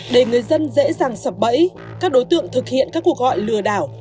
để người dân dễ dàng sập bẫy các đối tượng thực hiện các cuộc gọi lừa đảo